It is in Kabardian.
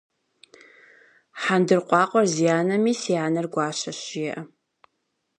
Хьэндыркъуакъуэр зи анэми, си анэр гуащэщ жеӏэ.